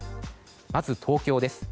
まず東京です。